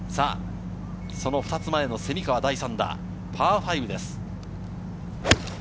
２つ前の蝉川の第３打、パー５です。